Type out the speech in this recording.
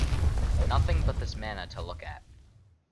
Nothing but this manna to look at.